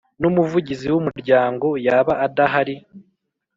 n Umuvugizi w umuryango yaba adahari